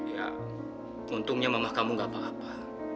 ya untungnya mamah kamu gak apa apa